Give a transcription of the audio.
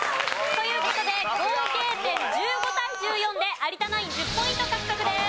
という事で合計点１５対１４で有田ナイン１０ポイント獲得です。